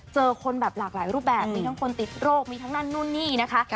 เจอคนแบบหลากหลายรูปแบบมีทั้งคนติดโรคมีทั้งนั่นนู่นนี่นะคะ